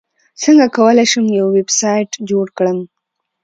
څنګه کولی شم یو ویبسایټ جوړ کړم